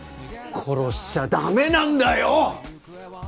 殺しちゃダメなんだよ！